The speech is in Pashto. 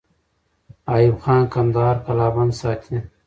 ایوب خان کندهار قلابند ساتي.